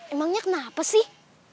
emangnya kenapa sih